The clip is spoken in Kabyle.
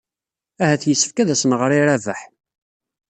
Ahat yessefk ad as-nɣer i Rabaḥ.